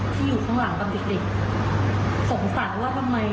กลัวลูกจะโดนทำลายร่างกาย